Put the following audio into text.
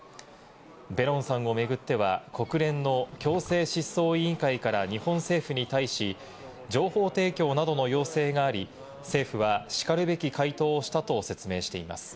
ベロンさんを巡っては、国連の強制失踪委員会から日本政府に対し、情報提供などの要請があり、政府は、しかるべき回答をしたと説明しています。